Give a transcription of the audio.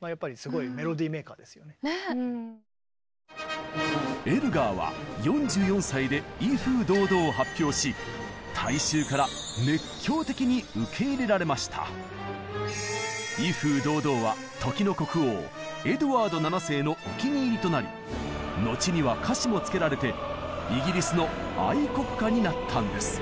まあやっぱりエルガーは４４歳で「威風堂々」を発表し「威風堂々」は時の国王エドワード７世のお気に入りとなり後には歌詞も付けられてイギリスの愛国歌になったんです。